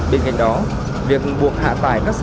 bên cạnh đó việc buộc hạ tải các xe